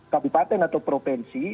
kabupaten atau provinsi